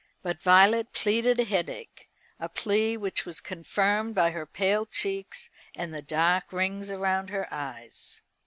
But Violet pleaded a headache, a plea which was confirmed by her pale cheeks and the dark rings round her eyes.